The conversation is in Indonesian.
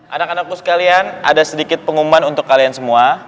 anak anakku sekalian ada sedikit pengumuman untuk kalian semua